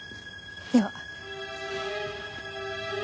では。